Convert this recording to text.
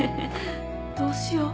どうしよう？